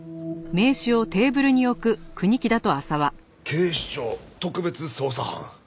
警視庁特別捜査班？